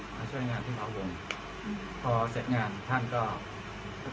มาช่วยงานที่เผาวงอืมพอเสร็จงานท่านก็ก็กลับค่ะ